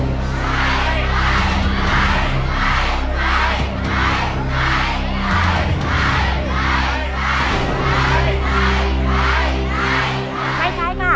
ไม่ใช่ค่ะ